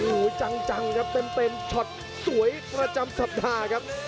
โอ้โหจังครับเต็มช็อตสวยประจำสัปดาห์ครับ